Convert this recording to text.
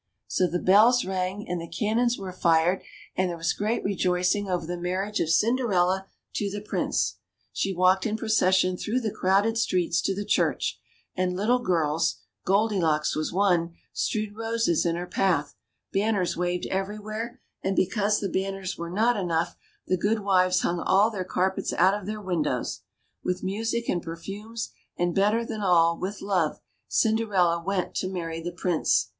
So the bells rang, and the cannons were fired, and CINDERELLA UP TO DATE. 33 there was great rejoicing over the marriage of Cinderella to the Prince. She walked in procession through the crowded streets to the churchy and little girls — Goldi locks was one — strewed roses in her path, banners waved everywhere, and because the banners were not enough, the good wives hung all their carpets out of their win dows ; with music and perfumes, and better than all, with love, Cinderella went to marry the Prince.